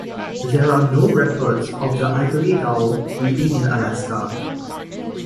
There are no records of the ivory gull breeding in Alaska.